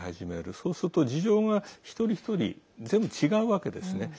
そうすると事情が一人一人全部違うわけですね。